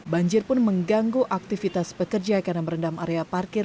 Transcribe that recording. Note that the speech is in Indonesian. banjir pun mengganggu aktivitas pekerja karena merendam area parkir